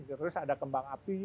terus ada kembang api